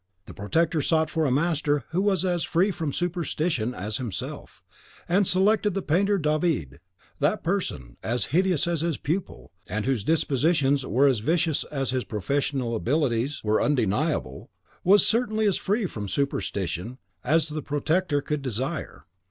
The protector sought for a master who was as free from "superstition" as himself, and selected the painter David. That person, as hideous as his pupil, and whose dispositions were as vicious as his professional abilities were undeniable, was certainly as free from "superstition" as the protector could desire.